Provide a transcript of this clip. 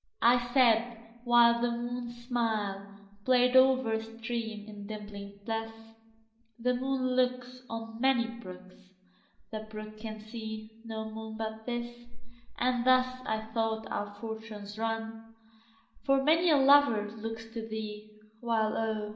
I said (whileThe moon's smilePlay'd o'er a stream, in dimpling bliss),The moon looksOn many brooks, The brook can see no moon but this; And thus, I thought, our fortunes run, For many a lover looks to thee, While oh!